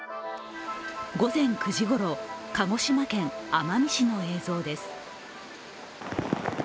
午前９時ごろ、鹿児島県奄美市の映像です。